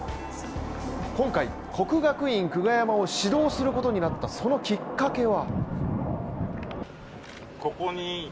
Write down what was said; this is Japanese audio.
今回、國學院久我山を指導することになったそのきっかけは。